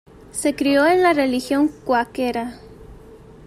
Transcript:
Se crio en la religión cuáquera.